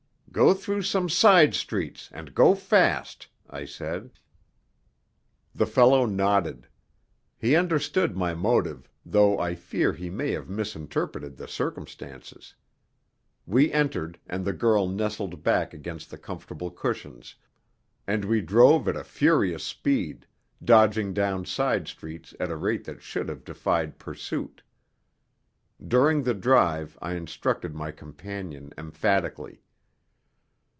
"Go through some side streets and go fast," I said. The fellow nodded. He understood my motive, though I fear he may have misinterpreted the circumstances. We entered, and the girl nestled back against the comfortable cushions, and we drove at a furious speed, dodging down side streets at a rate that should have defied pursuit. During the drive I instructed my companion emphatically.